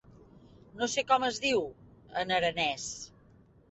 No sé com es diu: en aranès.